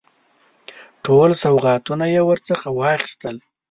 ټول سوغاتونه یې ورڅخه واخیستل.